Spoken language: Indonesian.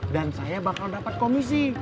dan saya bakal dapat komisi